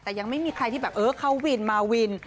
แต่ยังไม่มีใครที่แบบเออเขาวินมาวิน